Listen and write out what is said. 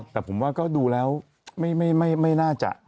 แต่ผมว่าก็ดูแล้วไม่น่าจะ